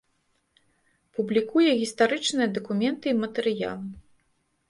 Публікуе гістарычныя дакументы і матэрыялы.